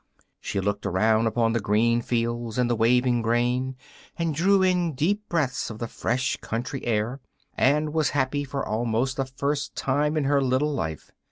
She looked around upon the green fields and the waving grain, and drew in deep breaths of the fresh country air, and was happy for almost the first time in her little life.